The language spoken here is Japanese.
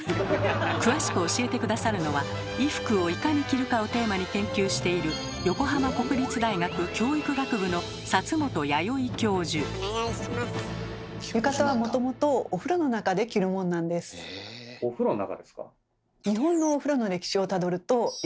詳しく教えて下さるのは「衣服をいかに着るか」をテーマに研究しているお風呂の中ですか？